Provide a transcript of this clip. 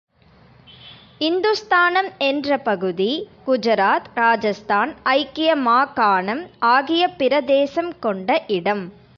இந்துஸ்தானம் என்ற பகுதி, குஜராத், இராஜஸ்தான், ஐக்கிய மாகாணம் ஆகிய பிரதேசம் கொண்ட இடம்.